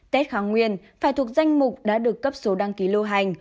test kháng nguyên phải thuộc danh mục đã được cấp số đăng ký lô hành